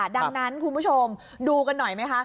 ดังนั้นคุณผู้ชมดูกันหน่อยไหมคะ